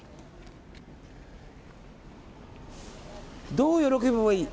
どう喜べばいい？